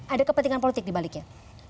ada kepentingan politik di baliknya